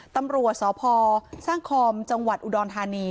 ตำรวจสพสคอมจอุดรธานี